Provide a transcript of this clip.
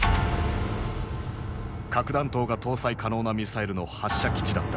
核弾頭が搭載可能なミサイルの発射基地だった。